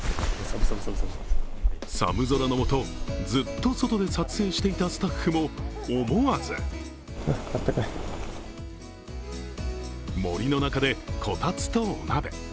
寒空のもと、ずっと外で撮影していたスタッフも思わず森の中でこたつとお鍋。